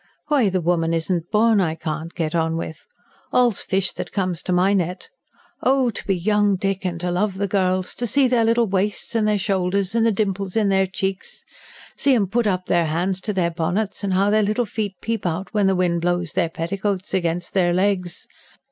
Why, the woman isn't born I can't get on with. All's fish that comes to my net. Oh, to be young, Dick, and to love the girls! To see their little waists, and their shoulders, and the dimples in their cheeks! See 'em put up their hands to their bonnets, and how their little feet peep out when the wind blows their petticoats against their legs!"